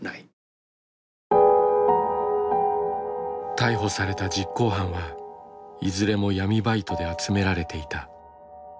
逮捕された実行犯はいずれも闇バイトで集められていた。